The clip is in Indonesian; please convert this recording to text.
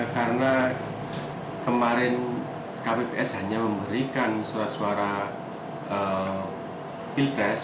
karena kemarin kpps hanya memberikan suara suara pilpres